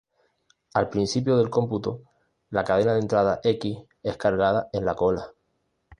Al principio del cómputo, la cadena de entrada "x" es cargada en la cola.